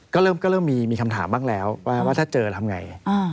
ก็เริ่มมีคำถามบ้างแล้วว่าถ้าเจอทำไง